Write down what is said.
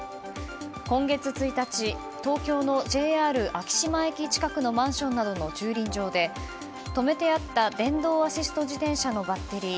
今月１日東京のＪＲ昭島駅近くのマンションなどの駐輪場で止めてあった電動アシスト自転車のバッテリー